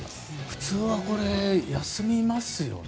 普通は休みますよね。